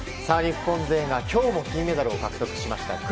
日本勢が今日も金メダルを獲得しました。